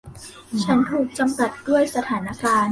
ฉันถูกจำกัดด้วยสถานการณ์